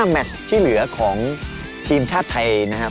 แมชที่เหลือของทีมชาติไทยนะครับ